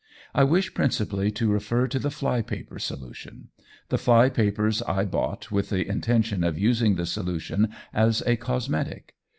I wish principally to refer to the flypaper solution. The flypapers I bought with the intention of using the solution as a cosmetic.